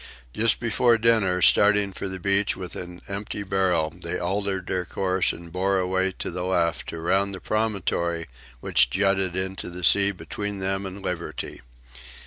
Just before dinner, starting for the beach with an empty barrel, they altered their course and bore away to the left to round the promontory which jutted into the sea between them and liberty.